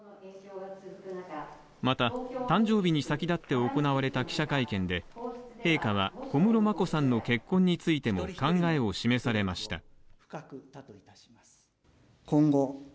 また誕生日に先だって行われた記者会見で、陛下は、小室眞子さんの結婚についても考えを示されました。